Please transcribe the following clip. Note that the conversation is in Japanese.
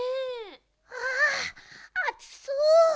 ああつそう！